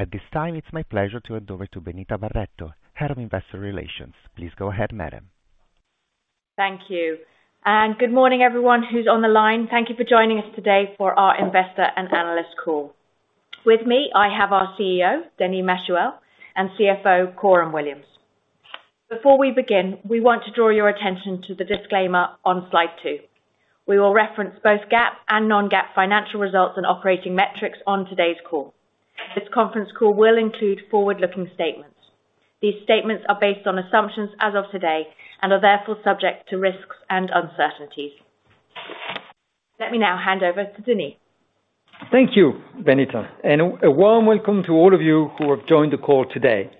At this time, it's my pleasure to hand over to Benita Barretto, Head of Investor Relations. Please go ahead, madam. Thank you. Good morning, everyone who's on the line. Thank you for joining us today for our investor and analyst call. With me, I have our CEO, Denis Machuel, and CFO, Coram Williams. Before we begin, we want to draw your attention to the disclaimer on slide 2. We will reference both GAAP and non-GAAP financial results and operating metrics on today's call. This conference call will include forward-looking statements. These statements are based on assumptions as of today and are therefore subject to risks and uncertainties. Let me now hand over to Denis. Thank you, Benita, and a warm welcome to all of you who have joined the call today.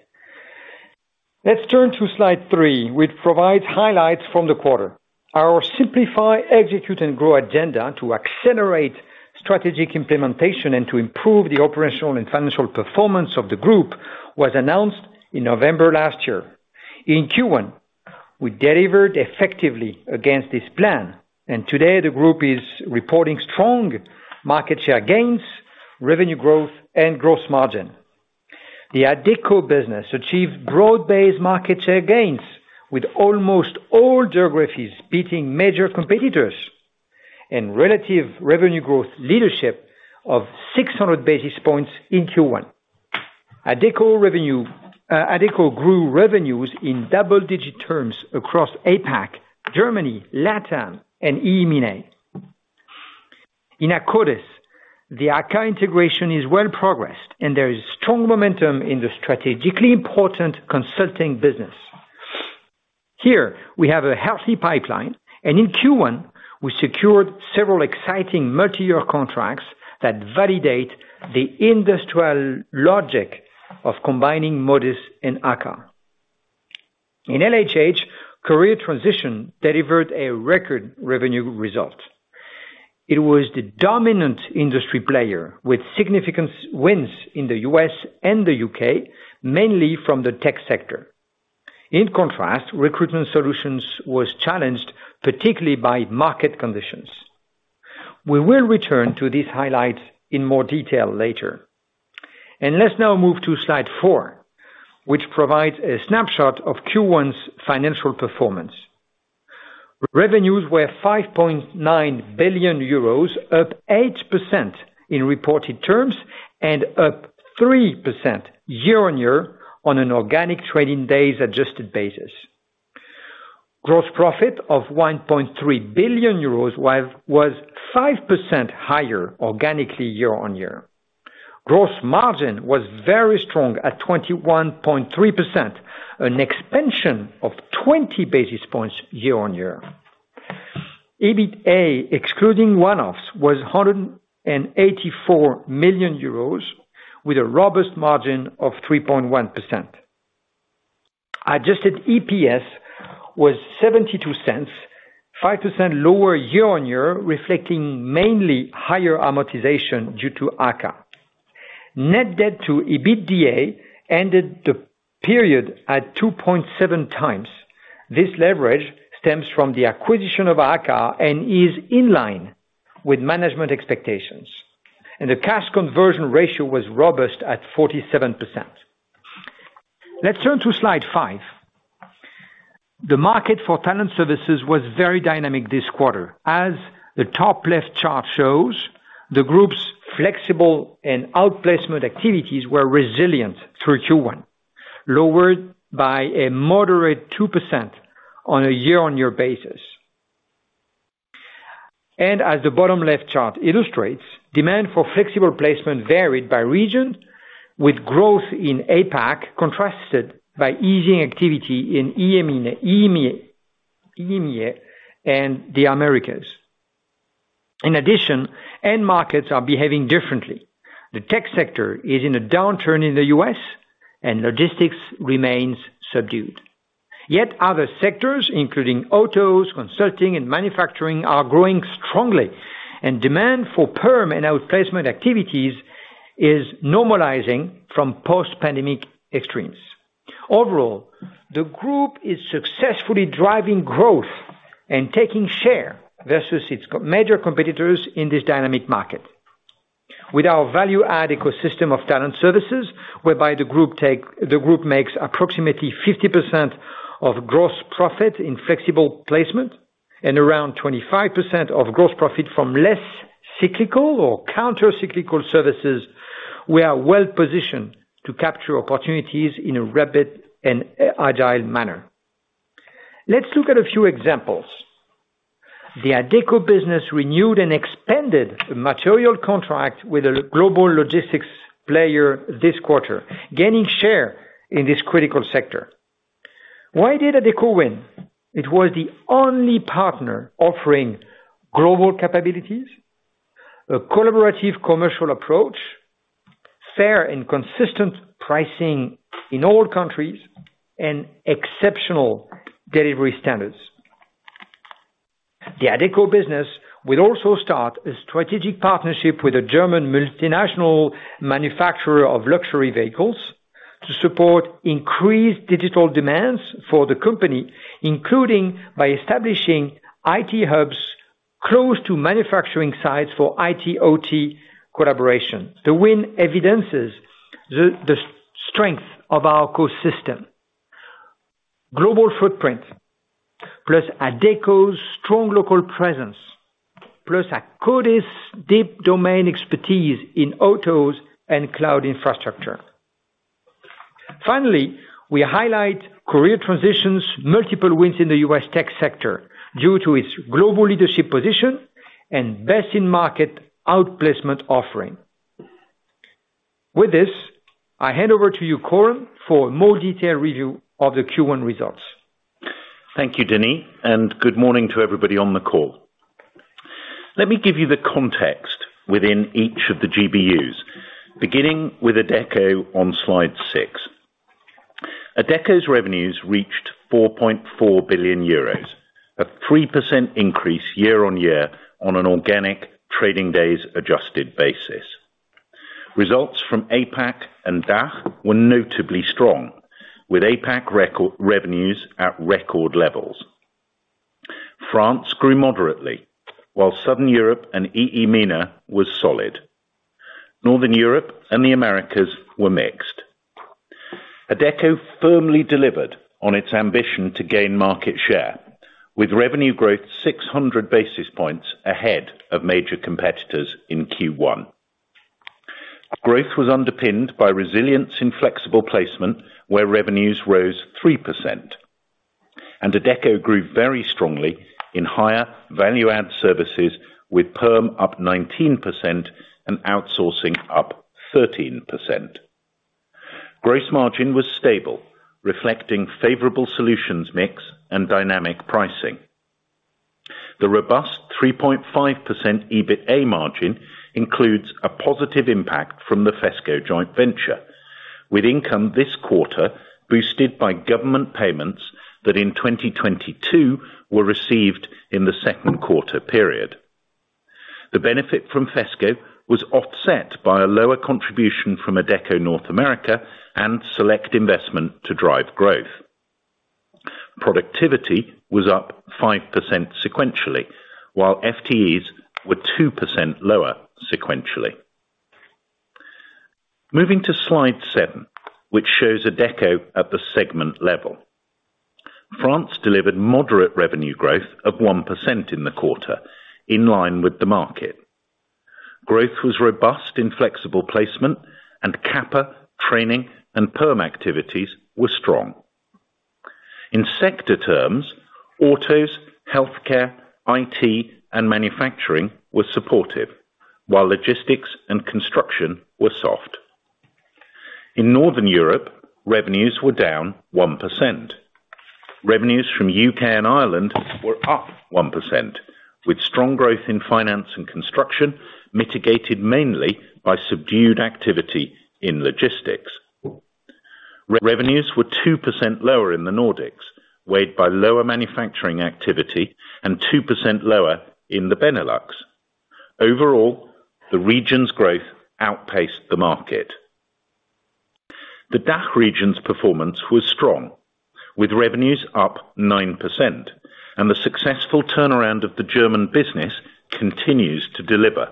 Let's turn to slide 3, which provides highlights from the quarter. Our Simplify-Execute-Grow agenda to accelerate strategic implementation and to improve the operational and financial performance of the group was announced in November last year. In Q1, we delivered effectively against this plan, and today the group is reporting strong market share gains, revenue growth, and gross margin. The Adecco business achieved broad-based market share gains, with almost all geographies beating major competitors and relative revenue growth leadership of 600 basis points in Q1. Adecco grew revenues in double-digit terms across APAC, Germany, LATAM, and EIMENA. In Akkodis, the AKKA integration is well progressed, and there is strong momentum in the strategically important consulting business. Here, we have a healthy pipeline. In Q1, we secured several exciting multiyear contracts that validate the industrial logic of combining Modis and AKKA. In LHH, career transition delivered a record revenue result. It was the dominant industry player with significant wins in the U.S. and the U.K., mainly from the tech sector. In contrast, recruitment solutions was challenged, particularly by market conditions. We will return to these highlights in more detail later. Let's now move to slide 4, which provides a snapshot of Q1's financial performance. Revenues were 5.9 billion euros, up 8% in reported terms and up 3% year-on-year on an organic trading days adjusted basis. Gross profit of 1.3 billion euros was 5% higher organically year-on-year. Gross margin was very strong at 21.3%, an expansion of 20 basis points year-on-year. EBITDA, excluding one-offs, was 184 million euros with a robust margin of 3.1%. Adjusted EPS was 0.72, 5% lower year-on-year, reflecting mainly higher amortization due to AKKA. Net debt to EBITDA ended the period at 2.7x. This leverage stems from the acquisition of AKKA and is in line with management expectations. The cash conversion ratio was robust at 47%. Let's turn to slide 5. The market for talent services was very dynamic this quarter. As the top left chart shows, the group's flexible and outplacement activities were resilient through Q1, lowered by a moderate 2% on a year-on-year basis. As the bottom left chart illustrates, demand for flexible placement varied by region, with growth in APAC contrasted by easing activity in EIMEA and the Americas. In addition, end markets are behaving differently. The tech sector is in a downturn in the U.S. and logistics remains subdued. Other sectors, including autos, consulting, and manufacturing, are growing strongly and demand for perm and outplacement activities is normalizing from post-pandemic extremes. Overall, the group is successfully driving growth and taking share versus its major competitors in this dynamic market. With our value-add ecosystem of talent services, whereby the group makes approximately 50% of gross profit in flexible placement and around 25% of gross profit from less cyclical or counter-cyclical services, we are well-positioned to capture opportunities in a rapid and agile manner. Let's look at a few examples. The Adecco business renewed and expanded the material contract with a global logistics player this quarter, gaining share in this critical sector. Why did Adecco win? It was the only partner offering global capabilities, a collaborative commercial approach, fair and consistent pricing in all countries, and exceptional delivery standards. The Adecco business will also start a strategic partnership with a German multinational manufacturer of luxury vehicles to support increased digital demands for the company, including by establishing IT hubs, close to manufacturing sites for IT/OT collaboration. The win evidences the strength of our ecosystem. Global footprint, plus Adecco's strong local presence, plus Akkodis' deep domain expertise in autos and cloud infrastructure. Finally, we highlight career transitions, multiple wins in the U.S. tech sector due to its global leadership position and best-in-market outplacement offering. With this, I hand over to you, Coram, for a more detailed review of the Q1 results. Thank you, Denis, and good morning to everybody on the call. Let me give you the context within each of the GBUs, beginning with Adecco on slide 6. Adecco's revenues reached 4.4 billion euros, a 3% increase year-on-year on an organic trading days adjusted basis. Results from APAC and DACH were notably strong, with APAC revenues at record levels. France grew moderately, while Southern Europe and EEMENA was solid. Northern Europe and the Americas were mixed. Adecco firmly delivered on its ambition to gain market share, with revenue growth 600 basis points ahead of major competitors in Q1. Growth was underpinned by resilience in flexible placement, where revenues rose 3%, and Adecco grew very strongly in higher value-add services with perm up 19% and outsourcing up 13%. Gross margin was stable, reflecting favorable solutions mix and dynamic pricing. The robust 3.5% EBITA margin includes a positive impact from the FESCO joint venture, with income this quarter boosted by government payments that in 2022 were received in the second quarter period. The benefit from FESCO was offset by a lower contribution from Adecco North America and select investment to drive growth. Productivity was up 5% sequentially, while FTEs were 2% lower sequentially. Moving to slide 7, which shows Adecco at the segment level. France delivered moderate revenue growth of 1% in the quarter, in line with the market. Growth was robust in flexible placement, QAPA, training, and perm activities were strong. In sector terms, autos, healthcare, IT, and manufacturing were supportive, while logistics and construction were soft. In Northern Europe, revenues were down 1%. Revenues from U.K. and Ireland were up 1%, with strong growth in finance and construction mitigated mainly by subdued activity in logistics. Revenues were 2% lower in the Nordics, weighed by lower manufacturing activity and 2% lower in the Benelux. Overall, the region's growth outpaced the market. The DACH region's performance was strong, with revenues up 9% and the successful turnaround of the German business continues to deliver.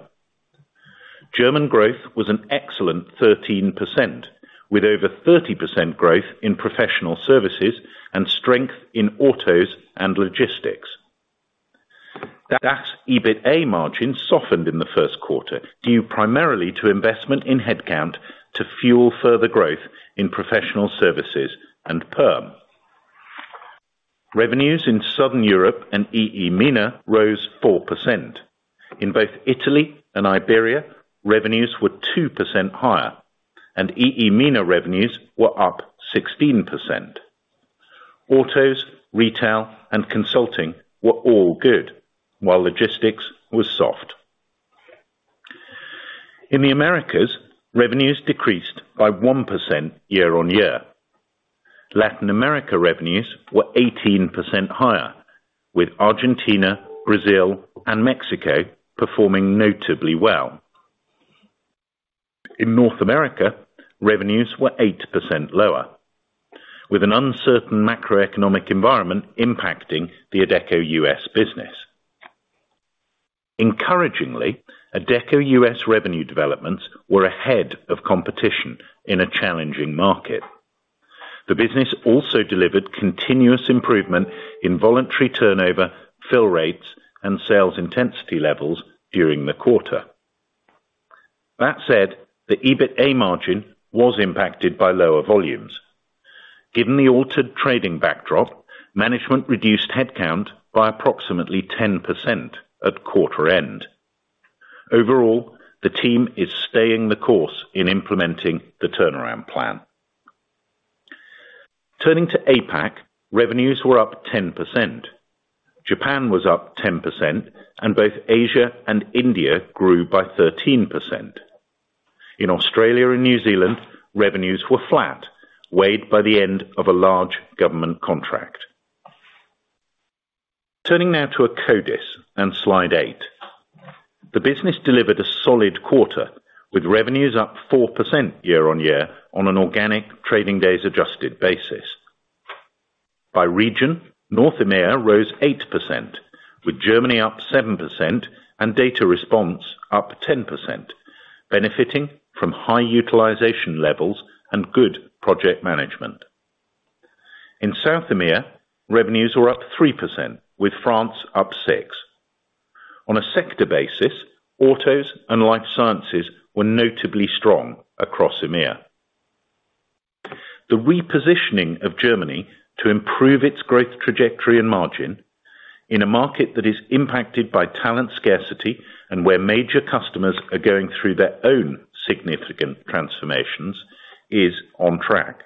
German growth was an excellent 13%, with over 30% growth in professional services and strength in autos and logistics. DACH EBITA margin softened in the first quarter, due primarily to investment in headcount to fuel further growth in professional services and perm. Revenues in Southern Europe and EEMENA rose 4%. In both Italy and Iberia, revenues were 2% higher, and EEMENA revenues were up 16%. Autos, retail, and consulting were all good, while logistics was soft. In the Americas, revenues decreased by 1% year-over-year. Latin America revenues were 18% higher, with Argentina, Brazil, and Mexico performing notably well. In North America, revenues were 8% lower, with an uncertain macroeconomic environment impacting the Adecco U.S. business. Encouragingly, Adecco U.S. revenue developments were ahead of competition in a challenging market. The business also delivered continuous improvement in voluntary turnover, fill rates, and sales intensity levels during the quarter. That said, the EBITA margin was impacted by lower volumes. Given the altered trading backdrop, management reduced headcount by approximately 10% at quarter end. Overall, the team is staying the course in implementing the turnaround plan. Turning to APAC, revenues were up 10%. Japan was up 10%, and both Asia and India grew by 13%. In Australia and New Zealand, revenues were flat, weighed by the end of a large government contract. Turning now to Akkodis on slide 8. The business delivered a solid quarter, with revenues up 4% year-on-year on an organic trading days adjusted basis. By region, North EMEIA rose 8%, with Germany up 7% and Data Respons up 10%, benefiting from high utilization levels and good project management. In South EMEIA, revenues were up 3%, with France up 6%. On a sector basis, autos and life sciences were notably strong across EMEIA. The repositioning of Germany to improve its growth trajectory and margin in a market that is impacted by talent scarcity and where major customers are going through their own significant transformations is on track.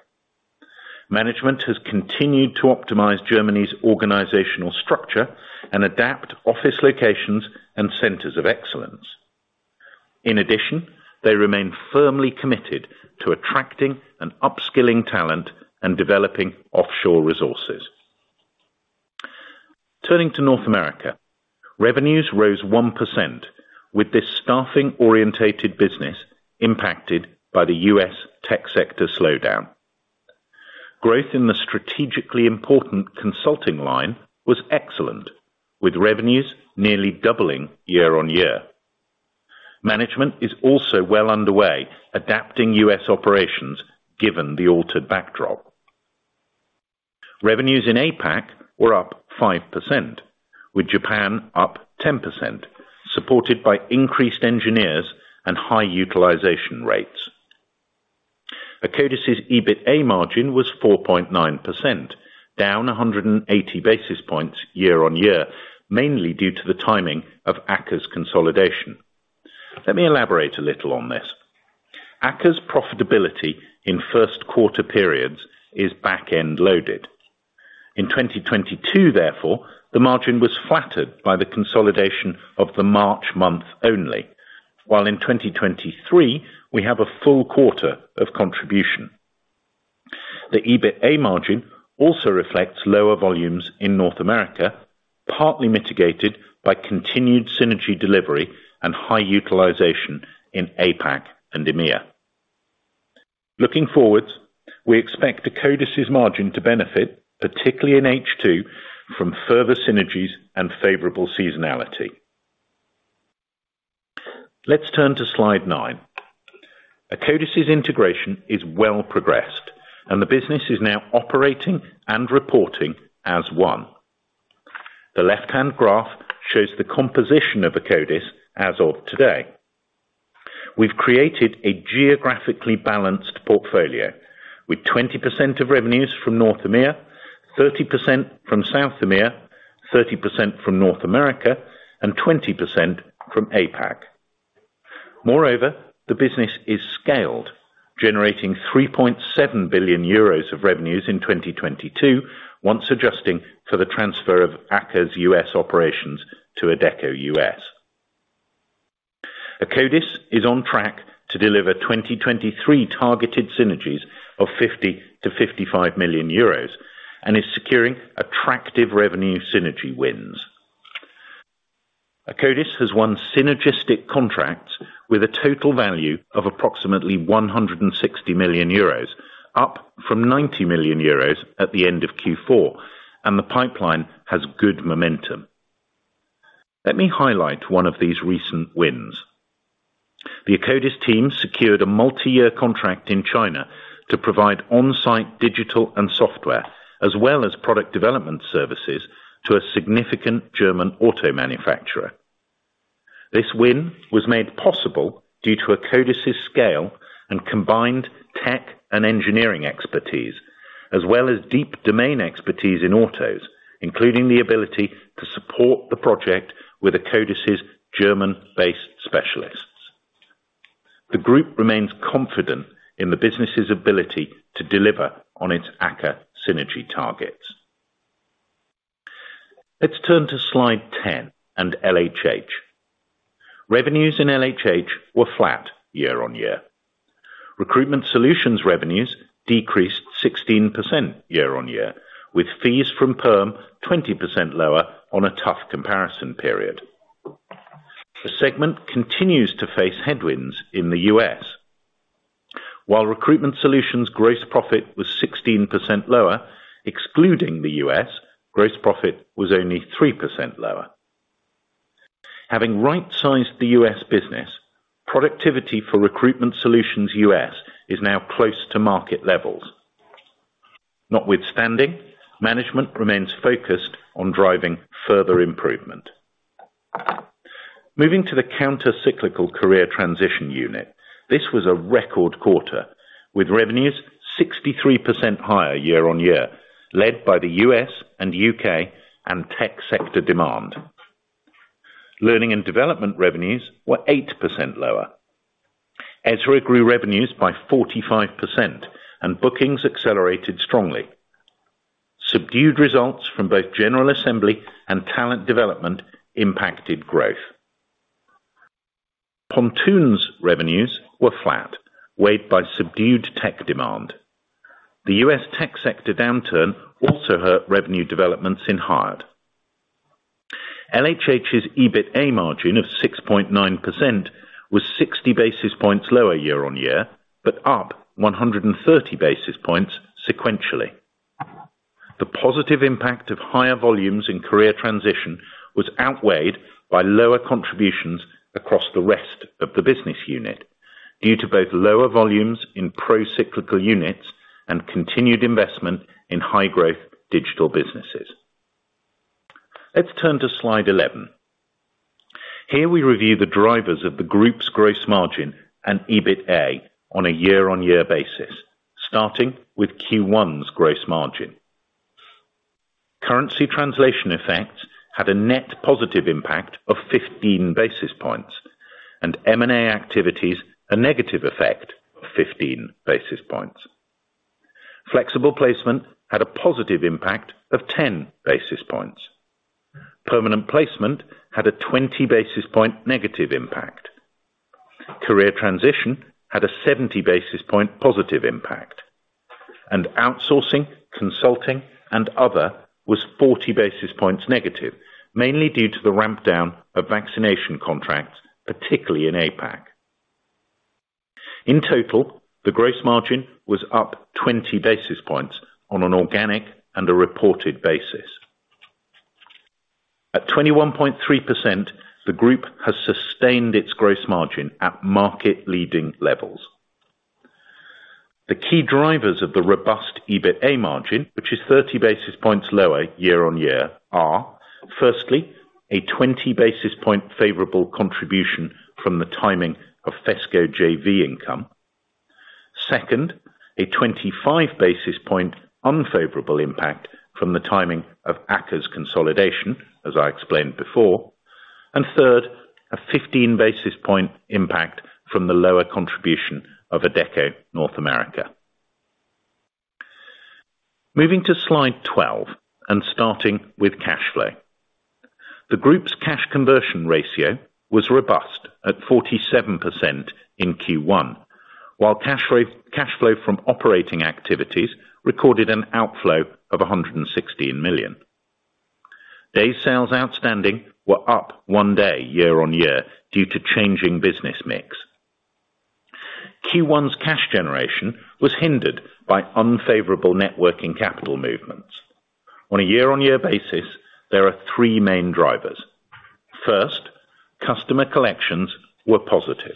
Management has continued to optimize Germany's organizational structure and adapt office locations and centers of excellence. They remain firmly committed to attracting and upskilling talent and developing offshore resources. Turning to North America, revenues rose 1%, with this staffing-orientated business impacted by the U.S. tech sector slowdown. Growth in the strategically important consulting line was excellent, with revenues nearly doubling year-on-year. Management is also well underway, adapting U.S. operations given the altered backdrop. Revenues in APAC were up 5%, with Japan up 10%, supported by increased engineers and high utilization rates. Akkodis' EBITA margin was 4.9%, down 180 basis points year-on-year, mainly due to the timing of AKKA's consolidation. Let me elaborate a little on this. AKKA's profitability in first quarter periods is back end loaded. In 2022, therefore, the margin was flattered by the consolidation of the March month only, while in 2023 we have a full quarter of contribution. The EBITA margin also reflects lower volumes in North America, partly mitigated by continued synergy delivery and high utilization in APAC and EMEIA. Looking forward, we expect Akkodis' margin to benefit, particularly in H2, from further synergies and favorable seasonality. Let's turn to slide 9. Akkodis integration is well progressed and the business is now operating and reporting as one. The left-hand graph shows the composition of Akkodis as of today. We've created a geographically balanced portfolio with 20% of revenues from North EMEIA, 30% from South EMEIA, 30% from North America, and 20% from APAC. The business is scaled, generating 3.7 billion euros of revenues in 2022, once adjusting for the transfer of AKKA's US operations to Adecco US. Akkodis is on track to deliver 2023 targeted synergies of 50 million-55 million euros and is securing attractive revenue synergy wins. Akkodis has won synergistic contracts with a total value of approximately 160 million euros, up from 90 million euros at the end of Q4, and the pipeline has good momentum. Let me highlight one of these recent wins. The Akkodis team secured a multi-year contract in China to provide on-site digital and software, as well as product development services to a significant German auto manufacturer. This win was made possible due to Akkodis' scale and combined tech and engineering expertise, as well as deep domain expertise in autos, including the ability to support the project with Akkodis' German-based specialists. The group remains confident in the business' ability to deliver on its AKKA synergy targets. Let's turn to slide 10 and LHH. Revenues in LHH were flat year-on-year. Recruitment solutions revenues decreased 16% year-on-year, with fees from perm 20% lower on a tough comparison period. The segment continues to face headwinds in the U.S. While recruitment solutions gross profit was 16% lower, excluding the U.S. gross profit was only 3% lower. Having right-sized the U.S. business, productivity for recruitment solutions U.S. is now close to market levels. Notwithstanding, management remains focused on driving further improvement. Moving to the counter-cyclical career transition unit, this was a record quarter with revenues 63% higher year-on-year, led by the U.S. and U.K. and tech sector demand. Learning and development revenues were 8% lower. Ezra grew revenues by 45% and bookings accelerated strongly. Subdued results from both General Assembly and talent development impacted growth. Pontoon's revenues were flat, weighed by subdued tech demand. The U.S. tech sector downturn also hurt revenue developments in Hired. LHH's EBITA margin of 6.9% was 60 basis points lower year-on-year, but up 130 basis points sequentially. The positive impact of higher volumes in career transition was outweighed by lower contributions across the rest of the business unit due to both lower volumes in pro-cyclical units and continued investment in high growth digital businesses. Let's turn to slide 11. Here we review the drivers of the group's gross margin and EBITA on a year-on-year basis, starting with Q1's gross margin. Currency translation effects had a net positive impact of 15 basis points and M&A activities a negative effect of 15 basis points. Flexible placement had a positive impact of 10 basis points. Permanent placement had a 20 basis point negative impact. Career transition had a 70 basis point positive impact. Outsourcing, consulting, and other was 40 basis points negative, mainly due to the ramp down of vaccination contracts, particularly in APAC. In total, the gross margin was up 20 basis points on an organic and a reported basis. At 21.3%, the group has sustained its gross margin at market leading levels. The key drivers of the robust EBITA margin, which is 30 basis points lower year-on-year are firstly, a 20 basis point favorable contribution from the timing of FESCO JV income. Second, a 25 basis point unfavorable impact from the timing of AKKA's consolidation, as I explained before. Third, a 15 basis point impact from the lower contribution of Adecco North America. Moving to slide 12 and starting with cash flow. The group's cash conversion ratio was robust at 47% in Q1, while cash flow from operating activities recorded an outflow of 116 million. Day sales outstanding were up one day year-on-year due to changing business mix. Q1's cash generation was hindered by unfavorable networking capital movements. On a year-on-year basis, there are three main drivers. First, customer collections were positive.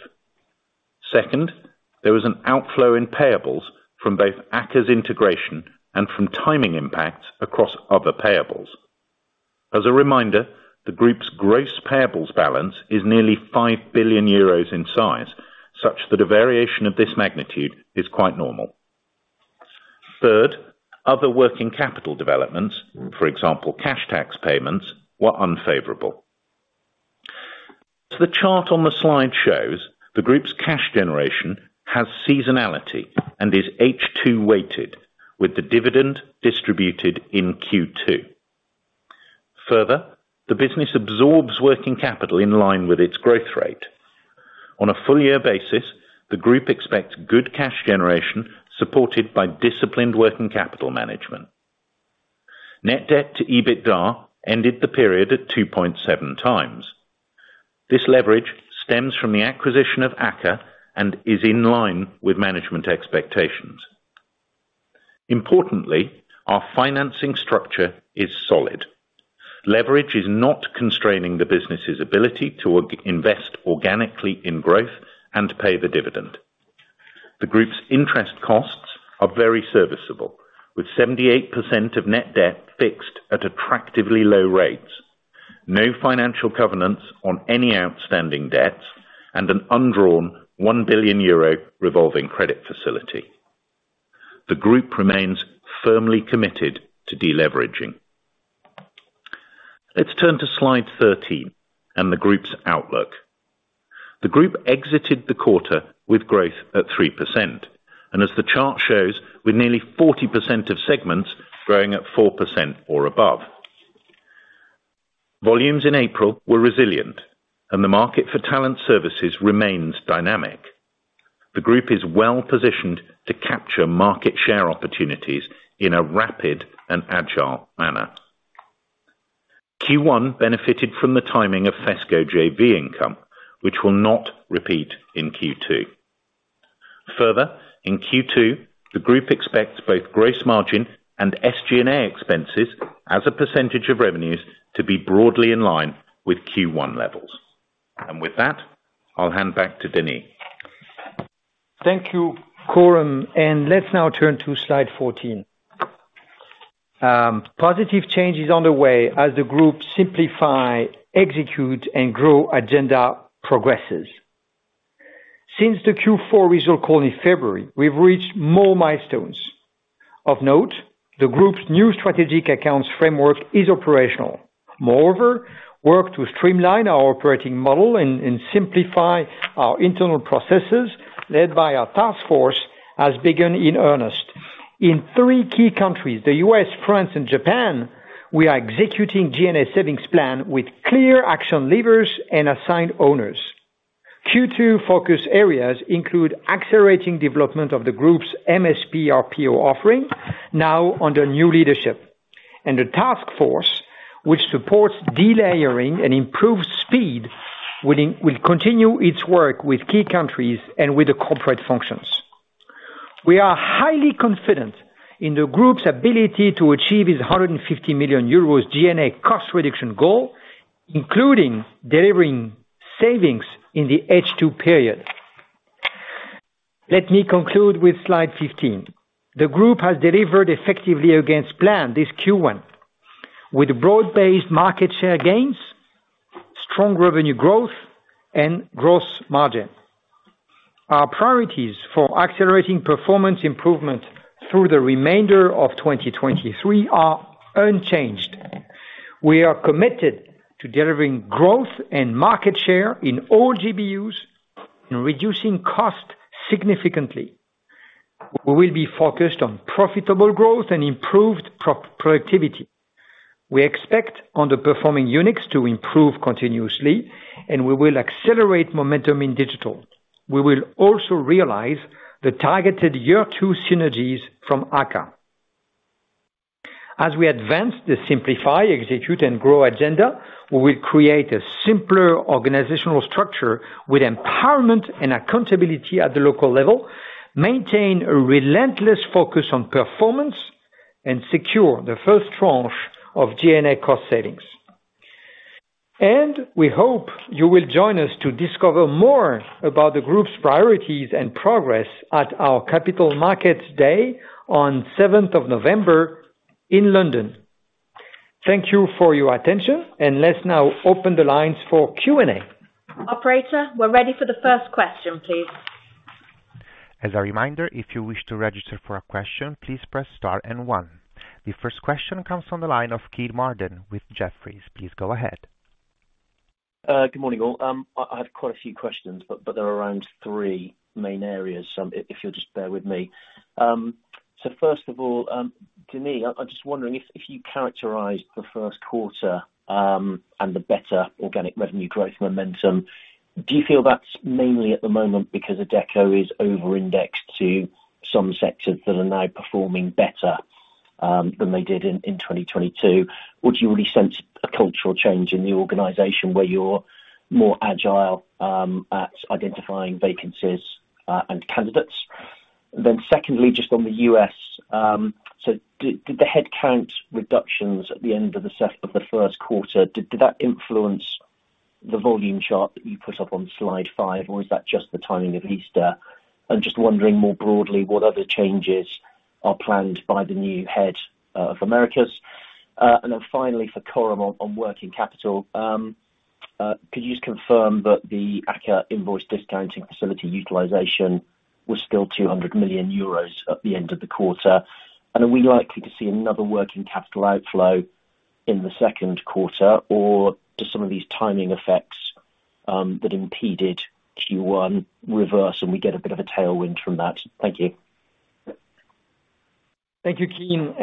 There was an outflow in payables from both AKKA's integration and from timing impacts across other payables. As a reminder, the group's gross payables balance is nearly 5 billion euros in size, such that a variation of this magnitude is quite normal. Other working capital developments, for example, cash tax payments, were unfavorable. The chart on the slide shows the group's cash generation has seasonality and is H2 weighted with the dividend distributed in Q2. The business absorbs working capital in line with its growth rate. On a full year basis, the group expects good cash generation supported by disciplined working capital management. Net debt to EBITDA ended the period at 2.7x. This leverage stems from the acquisition of AKKA and is in line with management expectations. Importantly, our financing structure is solid. Leverage is not constraining the business's ability to invest organically in growth and pay the dividend. The group's interest costs are very serviceable, with 78% of net debt fixed at attractively low rates, no financial covenants on any outstanding debts, and an undrawn 1 billion euro revolving credit facility. The group remains firmly committed to deleveraging. Let's turn to slide 13 and the group's outlook. The group exited the quarter with growth at 3%, and as the chart shows, with nearly 40% of segments growing at 4% or above. Volumes in April were resilient and the market for talent services remains dynamic. The group is well-positioned to capture market share opportunities in a rapid and agile manner. Q1 benefited from the timing of FESCO JV income, which will not repeat in Q2. Further, in Q2, the group expects both gross margin and SG&A expenses as a % of revenues to be broadly in line with Q1 levels. With that, I'll hand back to Denis. Thank you, Coram, let's now turn to slide 14. Positive changes on the way as the group Simplify-Execute-Grow agenda progresses. Since the Q4 result call in February, we've reached more milestones. Of note, the group's new strategic accounts framework is operational. Moreover, work to streamline our operating model and simplify our internal processes led by our task force has begun in earnest. In three key countries, the U.S., France, and Japan, we are executing G&A savings plan with clear action levers and assigned owners. Q2 focus areas include accelerating development of the group's MSP RPO offering, now under new leadership. The task force, which supports delayering and improved speed, will continue its work with key countries and with the corporate functions. We are highly confident in the group's ability to achieve its 150 million euros G&A cost reduction goal, including delivering savings in the H2 period. Let me conclude with slide 15. The group has delivered effectively against plan this Q1. With broad-based market share gains, strong revenue growth, and gross margin. Our priorities for accelerating performance improvement through the remainder of 2023 are unchanged. We are committed to delivering growth and market share in all GBUs and reducing costs significantly. We will be focused on profitable growth and improved pro-productivity. We expect underperforming units to improve continuously, and we will accelerate momentum in digital. We will also realize the targeted year two synergies from AKKA. As we advance the Simplify-Execute-Grow agenda, we will create a simpler organizational structure with empowerment and accountability at the local level, maintain a relentless focus on performance, and secure the first tranche of G&A cost savings. We hope you will join us to discover more about the group's priorities and progress at our capital markets day on seventh of November in London. Thank you for your attention, let's now open the lines for Q&A. Operator, we're ready for the first question, please. As a reminder, if you wish to register for a question, please press star and one. The first question comes from the line of Kean Marden with Jefferies. Please go ahead. Good morning, all. I have quite a few questions, but they're around three main areas, if you'll just bear with me. First of all, Denis, I'm just wondering if you characterized the first quarter, and the better organic revenue growth momentum, do you feel that's mainly at the moment because Adecco is over-indexed to some sectors that are now performing better, than they did in 2022? Would you really sense a cultural change in the organization where you're more agile, at identifying vacancies, and candidates? Secondly, just on the U.S., did the head count reductions at the end of the set of the first quarter, did that influence the volume chart that you put up on slide 5, or is that just the timing of Easter? I'm just wondering more broadly what other changes are planned by the new head of Americas. Finally for Coram on working capital, could you just confirm that the AKKA invoice discounting facility utilization was still 200 million euros at the end of the quarter? Are we likely to see another working capital outflow in the second quarter or do some of these timing effects that impeded Q1 reverse, and we get a bit of a tailwind from that? Thank you. Thank you, Kean.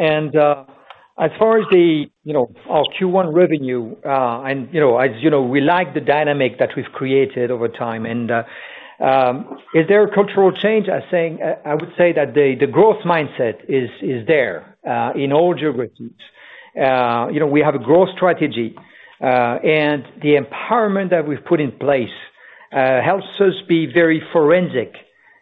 As far as the, you know, our Q1 revenue, and, you know, as you know, we like the dynamic that we've created over time, is there a cultural change? I would say that the growth mindset is there in all geographies. You know, we have a growth strategy, and the empowerment that we've put in place helps us be very forensic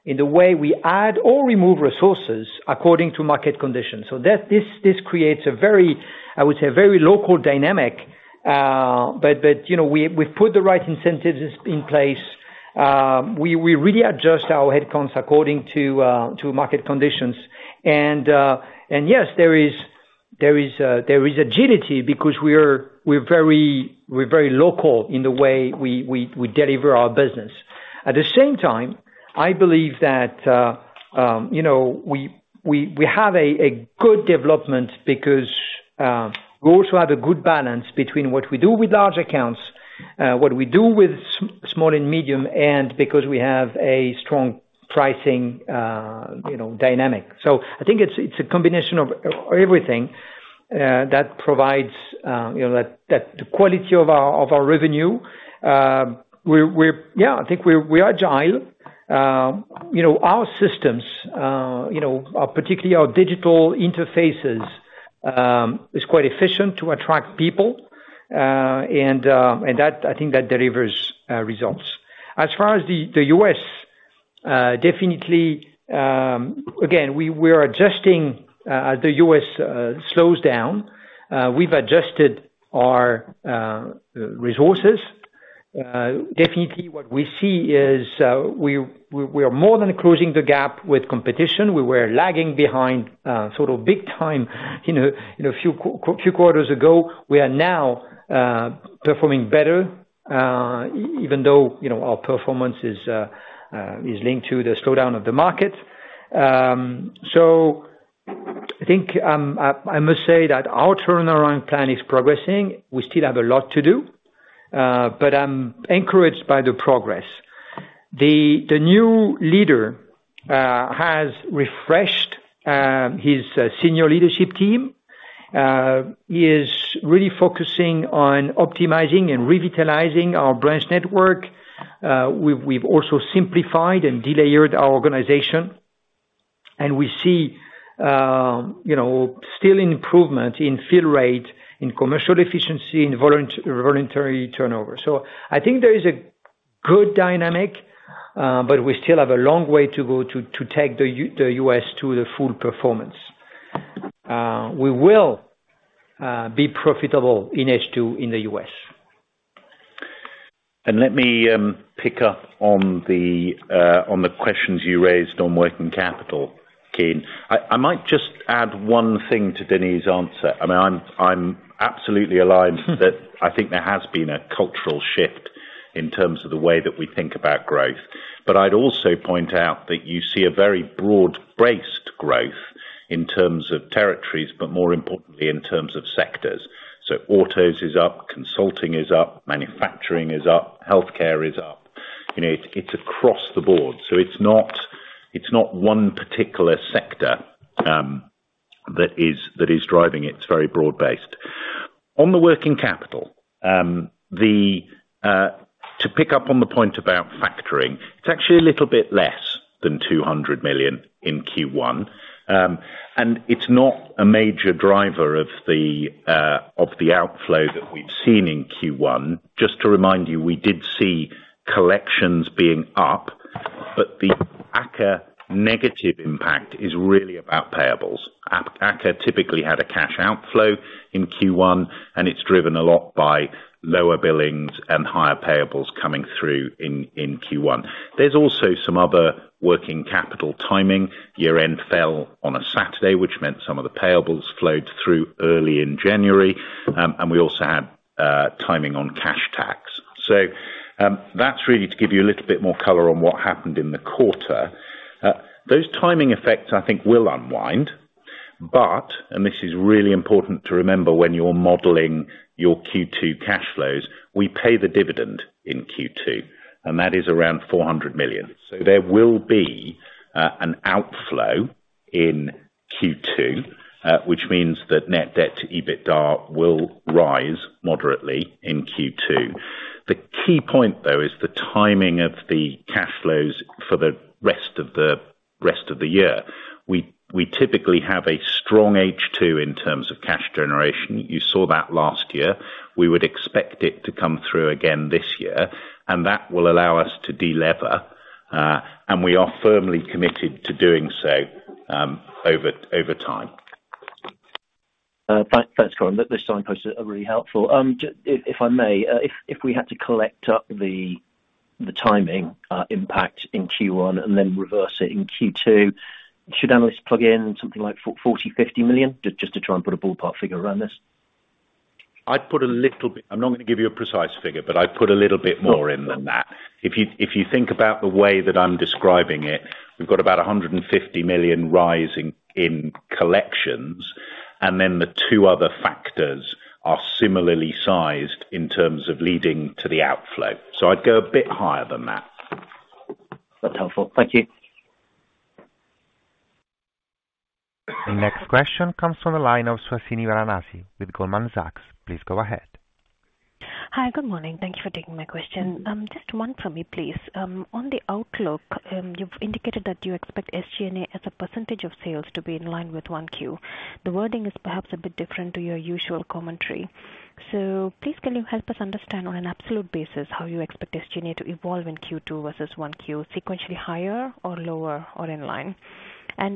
in the way we add or remove resources according to market conditions. This creates a very, I would say, a very local dynamic, but, you know, we've put the right incentives in place. We really adjust our headcounts according to market conditions. Yes, there is agility because we're very local in the way we deliver our business. At the same time, I believe that, you know, we have a good development because we also have a good balance between what we do with large accounts, what we do with small and medium, and because we have a strong pricing, you know, dynamic. I think it's a combination of everything that provides, you know, that quality of our revenue. Yeah, I think we are agile. You know, our systems, you know, particularly our digital interfaces, is quite efficient to attract people, and I think that delivers results. As far as the U.S., definitely, again, we are adjusting, the U.S. slows down. We've adjusted our resources. Definitely what we see is, we are more than closing the gap with competition. We were lagging behind, sort of big time, you know, few quarters ago. We are now performing better, even though, you know, our performance is linked to the slowdown of the market. I think, I must say that our turnaround plan is progressing. We still have a lot to do, I'm encouraged by the progress. The new leader has refreshed his senior leadership team. Is really focusing on optimizing and revitalizing our branch network. We've also simplified and delayered our organization. We see, you know, still improvement in fill rate, in commercial efficiency, in voluntary turnover. I think there is a good dynamic, we still have a long way to go to take the U.S. to the full performance. We will be profitable in H2 in the U.S. Let me pick up on the questions you raised on working capital, Kean. I might just add one thing to Denis' answer. I mean, I'm absolutely aligned that I think there has been a cultural shift in terms of the way that we think about growth. I'd also point out that you see a very broad-based growth in terms of territories, but more importantly, in terms of sectors. Autos is up, consulting is up, manufacturing is up, healthcare is up. You know, it's across the board. It's not one particular sector that is driving it. It's very broad-based. On the working capital, to pick up on the point about factoring, it's actually a little bit less than 200 million in Q1. It's not a major driver of the outflow that we've seen in Q1. Just to remind you, we did see collections being up, but the AKKA negative impact is really about payables. AKKA typically had a cash outflow in Q1, and it's driven a lot by lower billings and higher payables coming through in Q1. There's also some other working capital timing. Year-end fell on a Saturday, which meant some of the payables flowed through early in January. We also had timing on cash tax. That's really to give you a little bit more color on what happened in the quarter. Those timing effects, I think will unwind. This is really important to remember when you're modeling your Q2 cash flows, we pay the dividend in Q2, and that is around 400 million. There will be an outflow in Q2, which means that net debt to EBITDA will rise moderately in Q2. The key point, though, is the timing of the cash flows for the rest of the year. We typically have a strong H2 in terms of cash generation. You saw that last year. We would expect it to come through again this year, and that will allow us to delever, and we are firmly committed to doing so, over time. Thanks, Coram. Those signposts are really helpful. If I may, if we had to collect up the timing impact in Q1 and then reverse it in Q2, should analysts plug in something like for 40 million-50 million? Just to try and put a ballpark figure around this. I'd put a little bit... I'm not gonna give you a precise figure, but I'd put a little bit more in than that. If you think about the way that I'm describing it, we've got about 150 million rise in collections, and then the two other factors are similarly sized in terms of leading to the outflow. I'd go a bit higher than that. That's helpful. Thank you. The next question comes from the line of Suhasini Varanasi with Goldman Sachs. Please go ahead. Hi, good morning. Thank you for taking my question. Just one from me, please. On the outlook, you've indicated that you expect SG&A as a percentage of sales to be in line with 1Q. The wording is perhaps a bit different to your usual commentary. Please, can you help us understand on an absolute basis how you expect SG&A to evolve in Q2 versus 1Q, sequentially higher or lower or in line?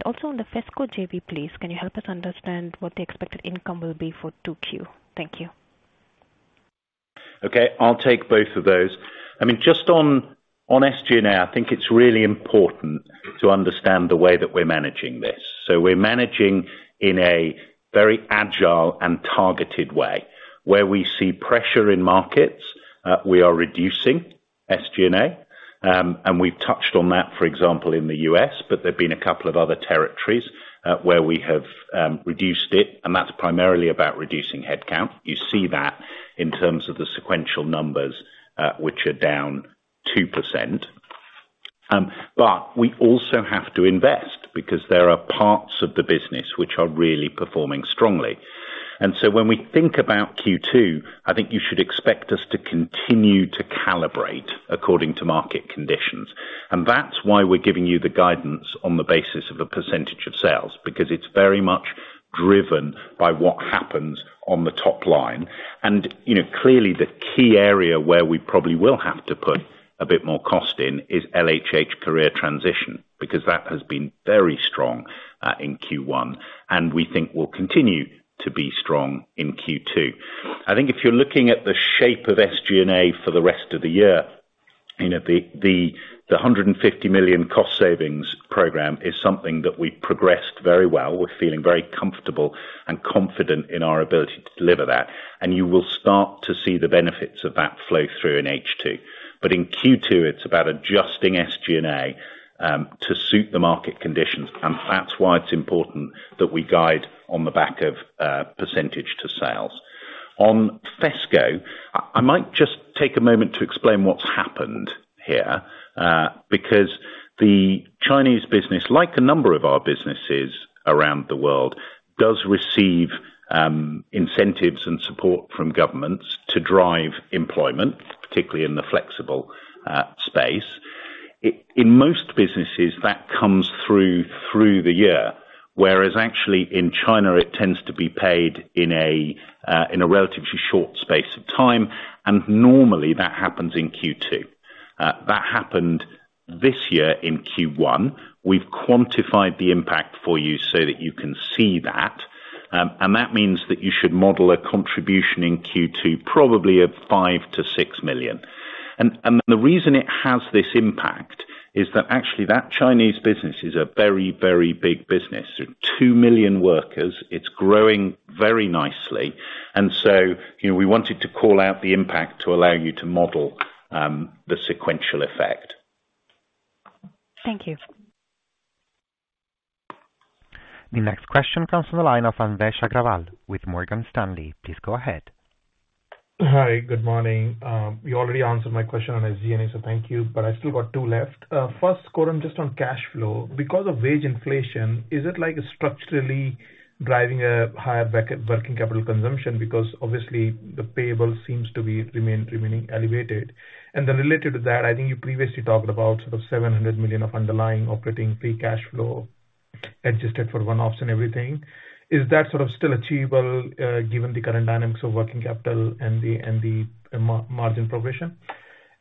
Also on the FESCO JV, please, can you help us understand what the expected income will be for 2Q? Thank you. Okay, I'll take both of those. I mean, just on SG&A, I think it's really important to understand the way that we're managing this. We're managing in a very agile and targeted way. Where we see pressure in markets, we are reducing SG&A. We've touched on that, for example, in the U.S., but there have been a couple of other territories, where we have reduced it, and that's primarily about reducing headcount. You see that in terms of the sequential numbers, which are down 2%. We also have to invest because there are parts of the business which are really performing strongly. When we think about Q2, I think you should expect us to continue to calibrate according to market conditions. That's why we're giving you the guidance on the basis of a percentage of sales, because it's very much driven by what happens on the top line. Clearly the key area where we probably will have to put a bit more cost in is LHH career transition, because that has been very strong in Q1, and we think will continue to be strong in Q2. If you're looking at the shape of SG&A for the rest of the year, the 150 million cost savings program is something that we progressed very well. We're feeling very comfortable and confident in our ability to deliver that, and you will start to see the benefits of that flow through in H2. In Q2, it's about adjusting SG&A to suit the market conditions, and that's why it's important that we guide on the back of percentage to sales. On FESCO, I might just take a moment to explain what's happened here, because the Chinese business, like a number of our businesses around the world, does receive incentives and support from governments to drive employment, particularly in the flexible space. In most businesses that comes through the year, whereas actually in China it tends to be paid in a relatively short space of time, and normally that happens in Q2. That happened this year in Q1. We've quantified the impact for you so that you can see that. That means that you should model a contribution in Q2, probably of 5 million-6 million. The reason it has this impact is that actually that Chinese business is a very, very big business. 2 million workers, it's growing very nicely. You know, we wanted to call out the impact to allow you to model the sequential effect. Thank you. The next question comes from the line of Anvesh Agrawal with Morgan Stanley. Please go ahead. Hi. Good morning. You already answered my question on G&A. Thank you. I still got two left. First, Coram, just on cash flow. Because of wage inflation, is it like structurally driving a higher working capital consumption? Because obviously the payable seems to be remaining elevated. Then related to that, I think you previously talked about sort of 700 million of underlying operating free cash flow adjusted for one-offs and everything. Is that sort of still achievable, given the current dynamics of working capital and the, and the margin provision?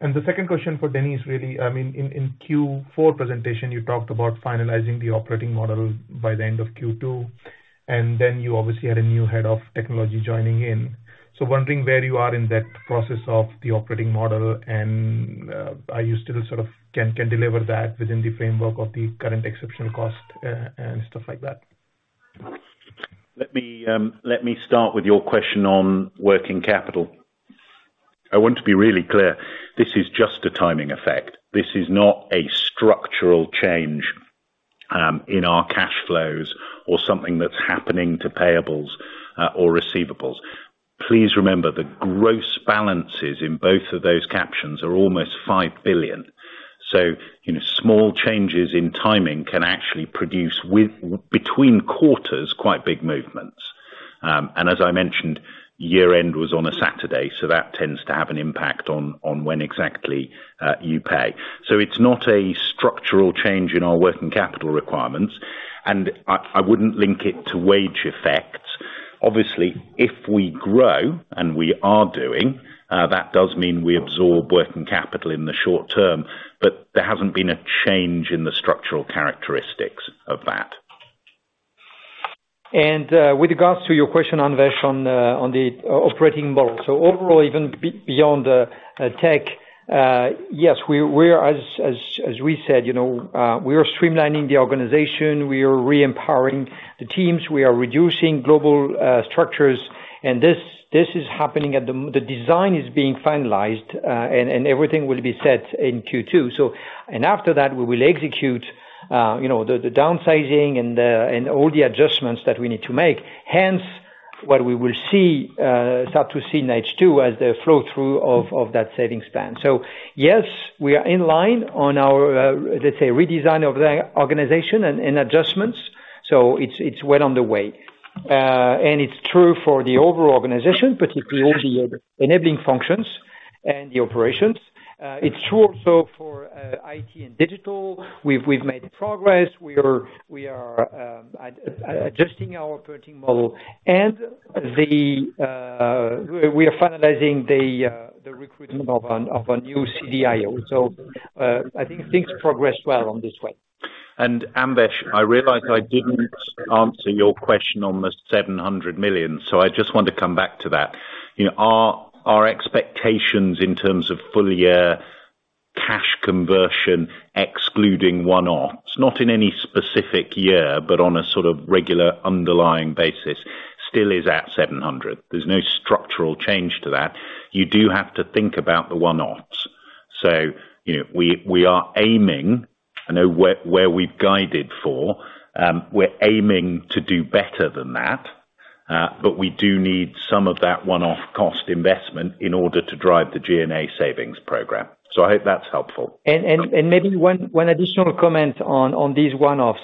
The second question for Denis, really, I mean, in Q4 presentation, you talked about finalizing the operating model by the end of Q2, and then you obviously had a new head of technology joining in. Wondering where you are in that process of the operating model and are you still sort of can deliver that within the framework of the current exceptional cost and stuff like that? Let me, let me start with your question on working capital. I want to be really clear. This is just a timing effect. This is not a structural change in our cash flows or something that's happening to payables or receivables. Please remember, the gross balances in both of those captions are almost 5 billion. You know, small changes in timing can actually produce between quarters, quite big movements. As I mentioned, year-end was on a Saturday, so that tends to have an impact on when exactly you pay. It's not a structural change in our working capital requirements, and I wouldn't link it to wage effects. Obviously, if we grow, and we are doing, that does mean we absorb working capital in the short term, but there hasn't been a change in the structural characteristics of that. With regards to your question, Anvesh, on the operating model. Overall, even beyond the tech, yes, we're as we said, you know, we are streamlining the organization, we are re-empowering the teams, we are reducing global structures. This is happening at the. The design is being finalized, and everything will be set in Q2. After that, we will execute, you know, the downsizing and all the adjustments that we need to make. What we will see start to see in H2 as the flow through of that savings plan. Yes, we are in line on our, let's say redesign of the organization and adjustments. It's well on the way. It's true for the overall organization, particularly all the enabling functions and the operations. It's true also for IT and digital. We've made progress. We are adjusting our operating model and we are finalizing the recruitment of a new CDIO. I think things progress well on this way. Anvesh, I realize I didn't answer your question on the 700 million, I just want to come back to that. You know, our expectations in terms of full year cash conversion excluding one-offs, not in any specific year, but on a sort of regular underlying basis, still is at 700 million. There's no structural change to that. You do have to think about the one-offs. You know, we are aiming, I know where we've guided for, we're aiming to do better than that. We do need some of that one-off cost investment in order to drive the G&A savings program. I hope that's helpful. Maybe one additional comment on these one-offs.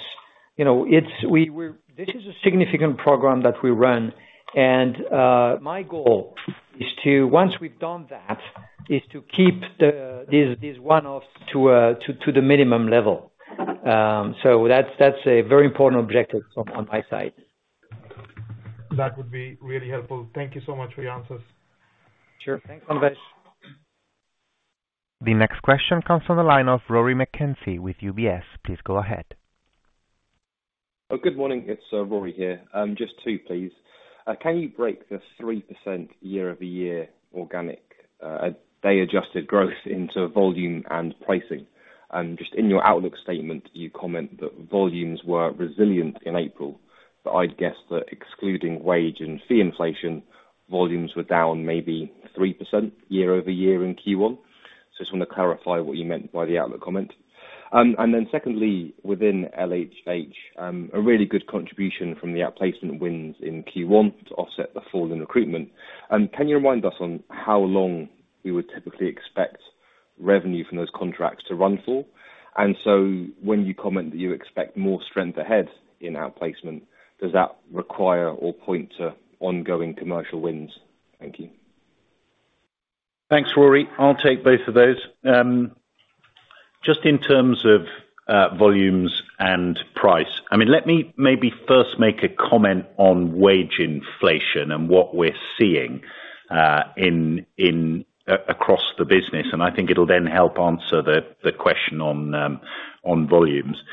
You know, this is a significant program that we run and my goal is to, once we've done that, is to keep these one-offs to the minimum level. That's a very important objective from my side. That would be really helpful. Thank you so much for your answers. Sure. Thanks so much. The next question comes from the line of Rory McKenzie with UBS. Please go ahead. Good morning. It's Rory here. Just two, please. Can you break the 3% year-over-year organic, day adjusted growth into volume and pricing? Just in your outlook statement, you comment that volumes were resilient in April, but I'd guess that excluding wage and fee inflation, volumes were down maybe 3% year-over-year in Q1. So I just want to clarify what you meant by the outlook comment. Secondly, within LHH, a really good contribution from the outplacement wins in Q1 to offset the fall in recruitment. Can you remind us on how long you would typically expect revenue from those contracts to run for? When you comment that you expect more strength ahead in outplacement, does that require or point to ongoing commercial wins? Thank you. Thanks, Rory. I'll take both of those. Just in terms of volumes and price. I mean, let me maybe first make a comment on wage inflation and what we're seeing across the business, and I think it'll then help answer the question on volumes.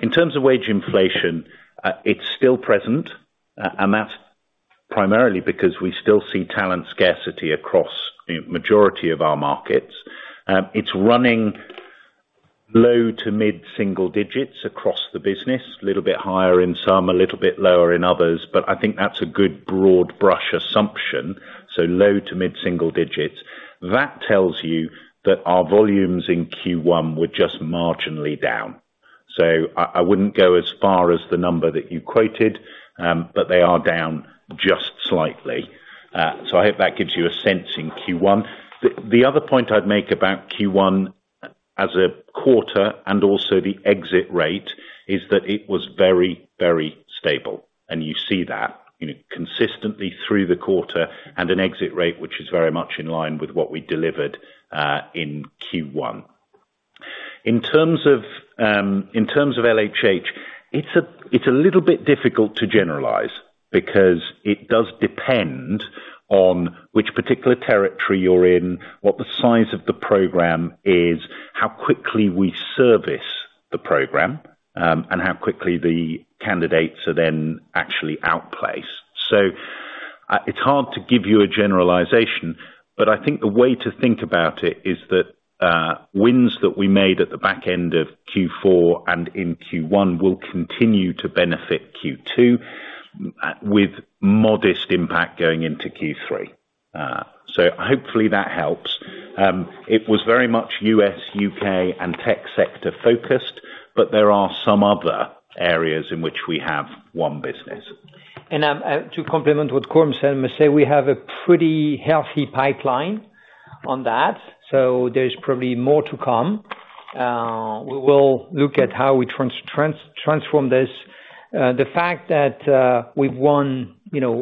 In terms of wage inflation, it's still present, and that's primarily because we still see talent scarcity across the majority of our markets. It's running low to mid-single digits across the business, little bit higher in some, a little bit lower in others, but I think that's a good broad brush assumption, so low to mid-single digits. That tells you that our volumes in Q1 were just marginally down. I wouldn't go as far as the number that you quoted, but they are down just slightly. I hope that gives you a sense in Q1. The other point I'd make about Q1 as a quarter and also the exit rate is that it was very, very stable, and you see that, you know, consistently through the quarter and an exit rate which is very much in line with what we delivered in Q1. In terms of, in terms of LHH, it's a little bit difficult to generalize because it does depend on which particular territory you're in, what the size of the program is, how quickly we service the program, and how quickly the candidates are then actually outplaced. It's hard to give you a generalization, but I think the way to think about it is that wins that we made at the back end of Q4 and in Q1 will continue to benefit Q2 with modest impact going into Q3. Hopefully that helps. It was very much U.S., U.K. and tech sector focused, but there are some other areas in which we have won business. To complement what Coram said, must say we have a pretty healthy pipeline on that, so there's probably more to come. We will look at how we transform this. The fact that we've won, you know,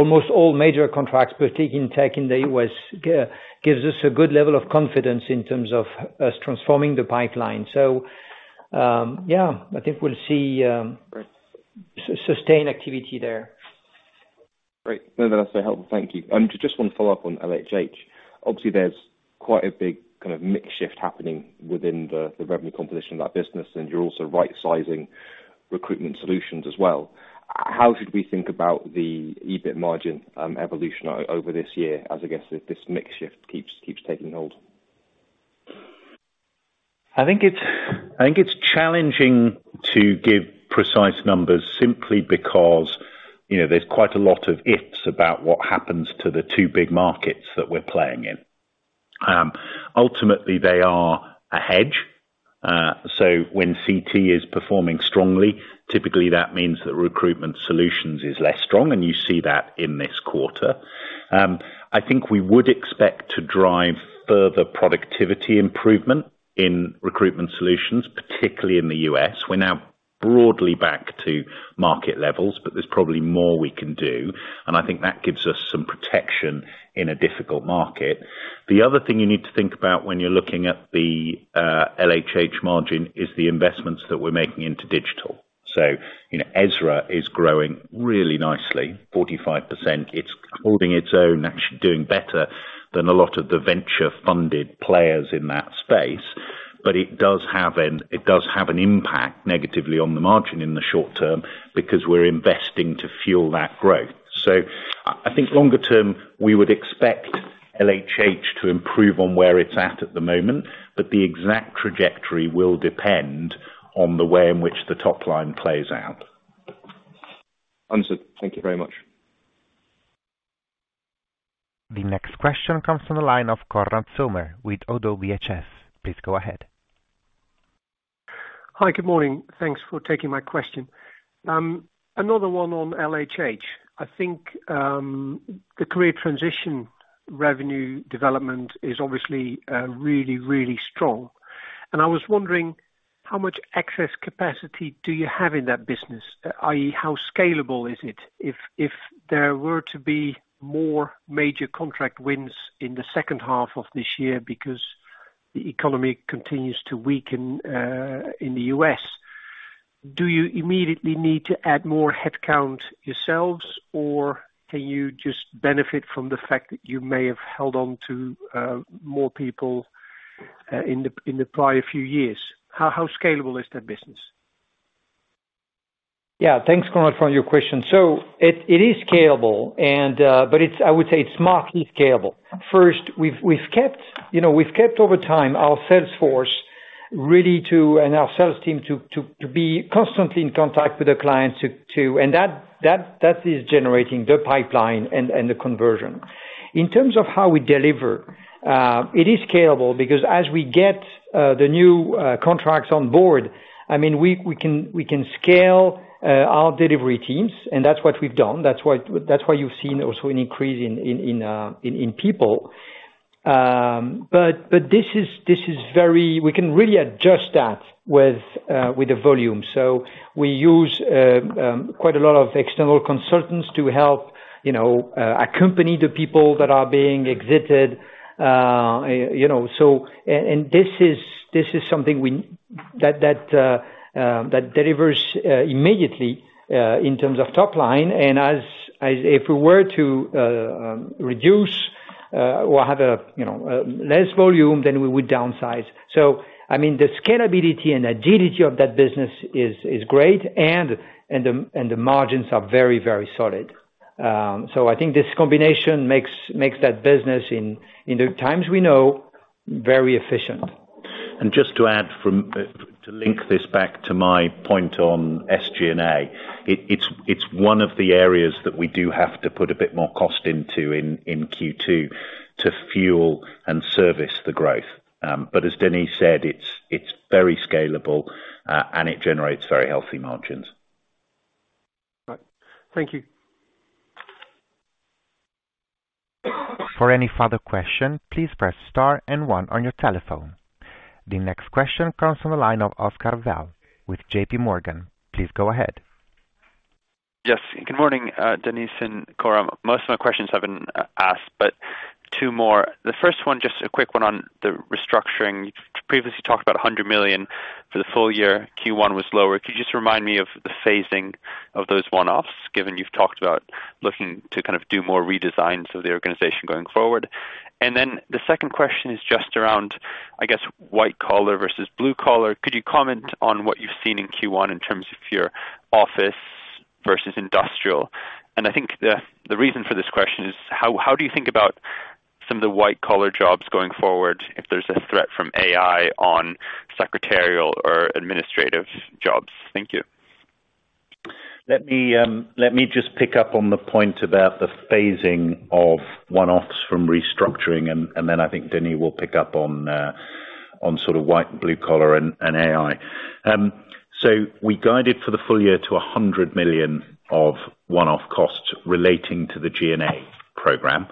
almost all major contracts, particularly in tech in the U.S., gives us a good level of confidence in terms of us transforming the pipeline. Yeah, I think we'll see sustain activity there. Great. No, that's so helpful. Thank you. Just one follow-up on LHH. There's quite a big kind of mix shift happening within the revenue composition of that business, and you're also right-sizing recruitment solutions as well. How should we think about the EBIT margin evolution over this year as, I guess, this mix shift keeps taking hold? I think it's challenging to give precise numbers simply because, you know, there's quite a lot of ifs about what happens to the two big markets that we're playing in. Ultimately they are a hedge. When CT is performing strongly, typically that means that recruitment solutions is less strong, and you see that in this quarter. I think we would expect to drive further productivity improvement in recruitment solutions, particularly in the U.S.. We're now broadly back to market levels, but there's probably more we can do, and I think that gives us some protection in a difficult market. The other thing you need to think about when you're looking at the LHH margin is the investments that we're making into digital. You know, Ezra is growing really nicely, 45%. It's holding its own, actually doing better than a lot of the venture-funded players in that space, but it does have an impact negatively on the margin in the short term because we're investing to fuel that growth. I think longer term, we would expect LHH to improve on where it's at at the moment, but the exact trajectory will depend on the way in which the top line plays out. Understood. Thank you very much. The next question comes from the line of Konrad Zomer with ODDO BHF. Please go ahead. Hi, good morning. Thanks for taking my question. another one on LHH. I think, the career transition revenue development is obviously, really, really strong, and I was wondering how much excess capacity do you have in that business, i.e. how scalable is it? If there were to be more major contract wins in the second half of this year because the economy continues to weaken, in the U.S., do you immediately need to add more headcount yourselves, or can you just benefit from the fact that you may have held on to, more people, in the prior few years? How, how scalable is that business? Yeah. Thanks, Konrad, for your question. It is scalable, but I would say it's markedly scalable. First, we've kept, you know, we've kept over time our sales team to be constantly in contact with the clients to. That is generating the pipeline and the conversion. In terms of how we deliver, it is scalable because as we get the new contracts on board, I mean, we can scale our delivery teams, and that's what we've done. That's why you've seen also an increase in people. But this is very. We can really adjust that with the volume. We use quite a lot of external consultants to help, you know, accompany the people that are being exited. You know, and this is something we that delivers immediately in terms of top line. As if we were to reduce or have a, you know, less volume then we would downsize. I mean, the scalability and agility of that business is great and the margins are very, very solid. I think this combination makes that business in the times we know, very efficient. Just to add from to link this back to my point on SG&A, it's one of the areas that we do have to put a bit more cost into in Q2 to fuel and service the growth. As Denis said, it's very scalable, and it generates very healthy margins. Right. Thank you. For any further question, please press star and one on your telephone. The next question comes from the line of Oscar Val Mas with JPMorgan. Please go ahead. Yes. Good morning, Denis and Coram. Most of my questions have been asked, but two more. The first one, just a quick one on the restructuring. You previously talked about 100 million for the full year. Q1 was lower. Could you just remind me of the phasing of those one-offs, given you've talked about looking to kind of do more redesigns of the organization going forward? The second question is just around, I guess, white collar versus blue collar. Could you comment on what you've seen in Q1 in terms of your office versus industrial? And I think the reason for this question is, how do you think about some of the white-collar jobs going forward if there's a threat from AI on secretarial or administrative jobs? Thank you. Let me just pick up on the point about the phasing of one-offs from restructuring, and then I think Denis will pick up on sort of white, blue collar and AI. We guided for the full year to 100 million of one-off costs relating to the G&A program.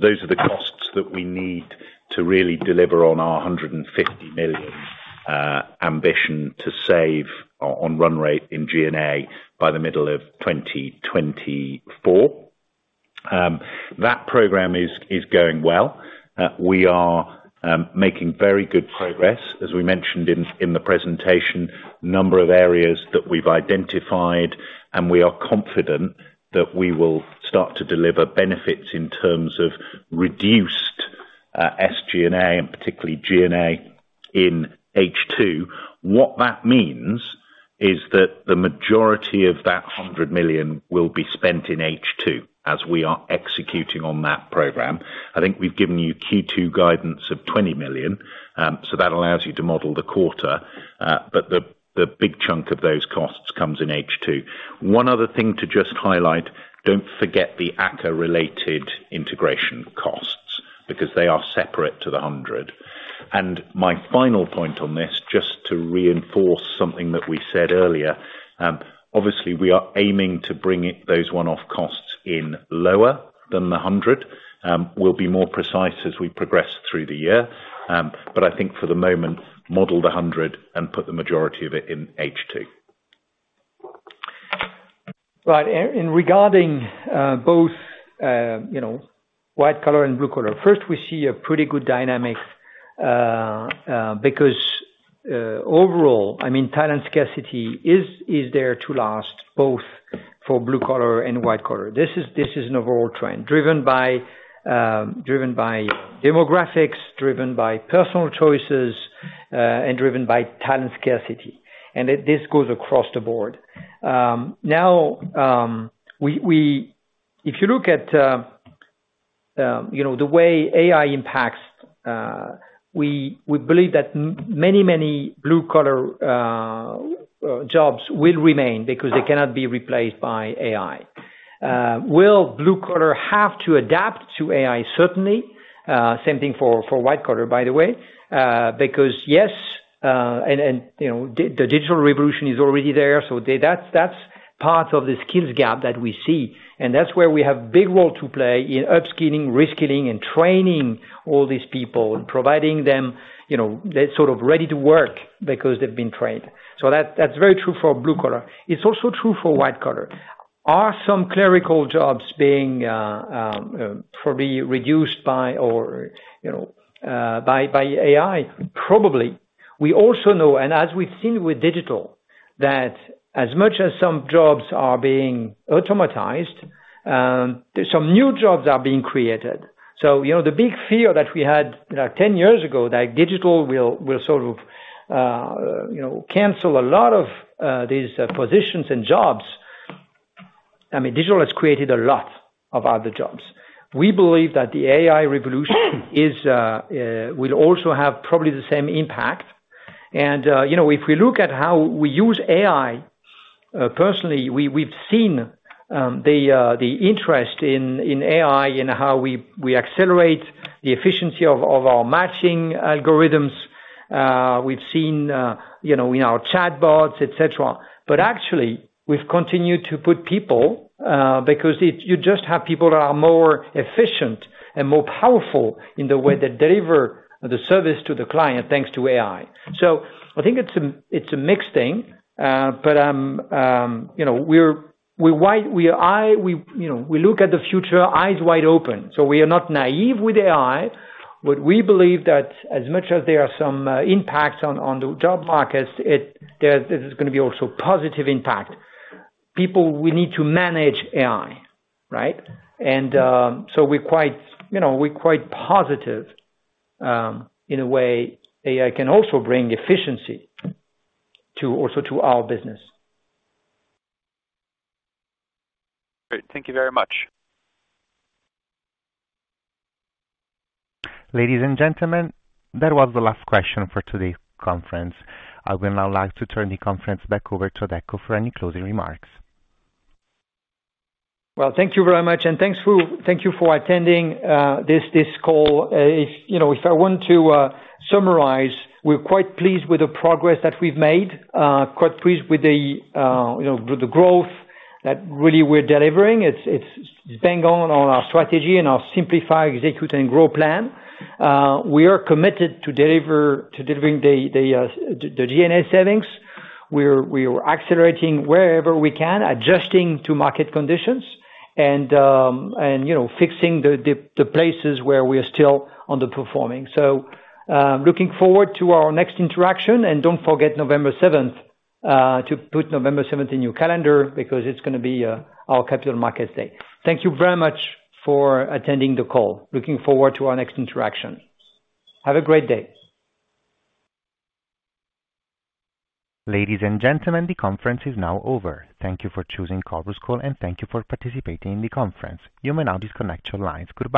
Those are the costs that we need to really deliver on our 150 million ambition to save on run rate in G&A by the middle of 2024. That program is going well. We are making very good progress. As we mentioned in the presentation, number of areas that we've identified, and we are confident that we will start to deliver benefits in terms of reduced SG&A and particularly G&A in H2. What that means is that the majority of that 100 million will be spent in H2 as we are executing on that program. I think we've given you Q2 guidance of 20 million, that allows you to model the quarter, but the big chunk of those costs comes in H2. One other thing to just highlight, don't forget the AKKA related integration costs because they are separate to the 100 million. My final point on this, just to reinforce something that we said earlier, obviously we are aiming to bring those one-off costs in lower than the 100 million. We'll be more precise as we progress through the year. I think for the moment, model the 100 million and put the majority of it in H2. Right. Regarding, you know, both white collar and blue collar. First, we see a pretty good dynamic because overall, I mean, talent scarcity is there to last both for blue collar and white collar. This is an overall trend driven by demographics, driven by personal choices, and driven by talent scarcity. This goes across the board. Now, we, if you look at, you know, the way AI impacts, we believe that many blue collar jobs will remain because they cannot be replaced by AI. Will blue collar have to adapt to AI? Certainly. Same thing for white collar, by the way. Because yes, and, you know, the digital revolution is already there. That's, that's part of the skills gap that we see. That's where we have big role to play in upskilling, reskilling, and training all these people, providing them, you know, they're sort of ready to work because they've been trained. That, that's very true for blue collar. It's also true for white collar. Are some clerical jobs being probably reduced by or, you know, by AI? Probably. We also know, and as we've seen with digital, that as much as some jobs are being automatized, there's some new jobs are being created. You know, the big fear that we had, you know, 10 years ago, that digital will sort of, you know, cancel a lot of these positions and jobs. I mean, digital has created a lot of other jobs. We believe that the AI revolution is, will also have probably the same impact. You know, if we look at how we use AI, personally, we've seen the interest in AI and how we accelerate the efficiency of our matching algorithms. We've seen, you know, in our chatbots, etcetera. Actually, we've continued to put people, because you just have people that are more efficient and more powerful in the way they deliver the service to the client, thanks to AI. I think it's a, it's a mixed thing. You know, we look at the future eyes wide open. We are not naive with AI. We believe that as much as there are some impacts on the job markets, there's gonna be also positive impact. People will need to manage AI, right? So we're quite, you know, we're quite positive, in a way AI can also bring efficiency to also to our business. Great. Thank you very much. Ladies and gentlemen, that was the last question for today's conference. I will now like to turn the conference back over to Adecco for any closing remarks. Well, thank you very much, and thank you for attending this call. If, you know, if I want to summarize, we're quite pleased with the progress that we've made. Quite pleased with the, you know, with the growth that really we're delivering. It's bang on our strategy and our Simplify-Execute-Grow plan. We are committed to delivering the G&A savings. We are accelerating wherever we can, adjusting to market conditions and, you know, fixing the places where we are still underperforming. Looking forward to our next interaction. Don't forget November seventh to put November seventh in your calendar because it's gonna be our capital markets day. Thank you very much for attending the call. Looking forward to our next interaction. Have a great day. Ladies and gentlemen, the conference is now over. Thank you for choosing Chorus Call, and thank you for participating in the conference. You may now disconnect your lines. Goodbye.